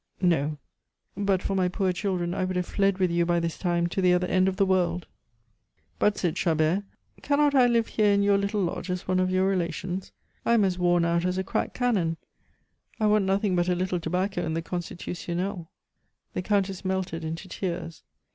No. But for my poor children I would have fled with you by this time to the other end of the world." "But," said Chabert, "cannot I live here in your little lodge as one of your relations? I am as worn out as a cracked cannon; I want nothing but a little tobacco and the Constitutionnel." The Countess melted into tears.